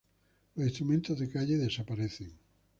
Los instrumentos de calle desaparecen.